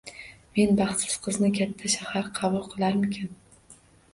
Men baxtsiz qizni katta shahar qabul qilarmikin